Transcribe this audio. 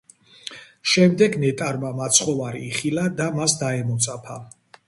შემდეგ ნეტარმა მაცხოვარი იხილა და მას დაემოწაფა.